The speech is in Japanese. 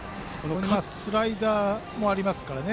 スライダーもありますからね。